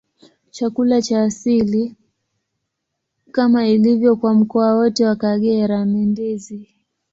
Chakula cha asili, kama ilivyo kwa mkoa wote wa Kagera, ni ndizi.